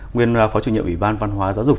nguyên phó chủ nhiệm ủy ban văn hóa giáo dục